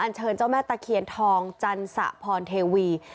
เชิญเจ้าแม่ตะเคียนทองจันสะพรเทวี